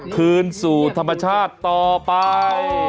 คืนสู่ธรรมชาติต่อไป